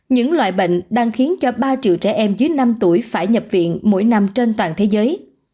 những loại bệnh đang khiến cho ba triệu trẻ em dưới năm tuổi phải nhập viện mỗi năm trên toàn thế giới